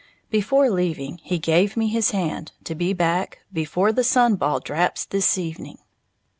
Before leaving, he "gave me his hand" to be back "before the sun ball draps this evening."